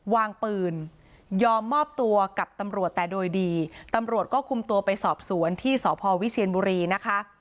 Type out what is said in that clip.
วางปืนยอมมอบตัวกับตำรวจแต่โดยดีตำรวจก็คุมตัวไปสอบสวนที่สพวิเชียนบุรีนะคะ